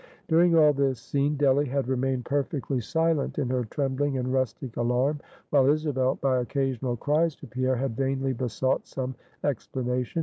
During all this scene, Delly had remained perfectly silent in her trembling and rustic alarm; while Isabel, by occasional cries to Pierre, had vainly besought some explanation.